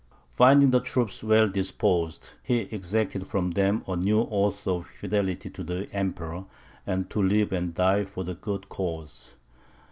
Finding the troops well disposed, he exacted from them a new oath of fidelity to the Emperor, and to live and die for the good cause.